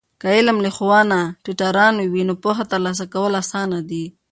که علم له ښوونه ټیټرانو وي، نو پوهه ترلاسه کول آسانه دی.